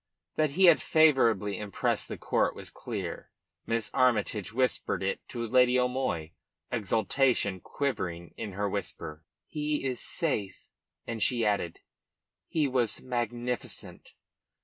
That he had favourably impressed the court was clear. Miss Armytage whispered it to Lady O'Moy, exultation quivering in her whisper. "He is safe!" And she added: "He was magnificent."